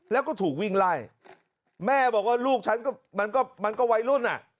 แล้วก็ถูกวิ่งไล่แม่บอกว่าลูกฉันก็มันก็มันก็วัยรุ่นอ่ะ